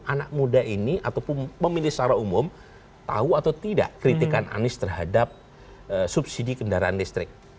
anak muda ini ataupun pemilih secara umum tahu atau tidak kritikan anies terhadap subsidi kendaraan listrik